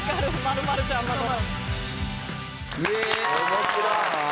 面白い。